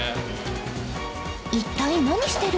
一体何してる？